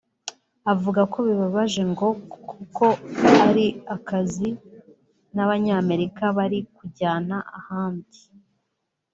Avuga ko bibabaje ngo kuko ari akazi k’abanyamerika bari kujyana ahandi